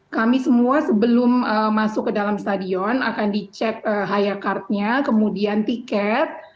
kami semua sebelum masuk ke dalam stadion akan dicek haya cardnya kemudian tiket